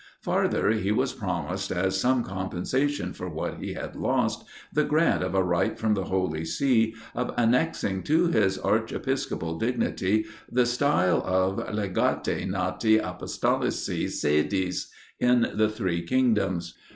Farther, he was promised, as some compensation for what he had lost, the grant of a right from the Holy See of annexing to his archiepiscopal dignity the style of "Legati nati Apostolicis Sedis" in the three kingdoms.